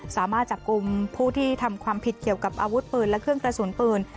สามารถจับกลุ่มผู้ที่ทำความผิดเกี่ยวกับอาวุธปืนและเครื่องกระสุนปืน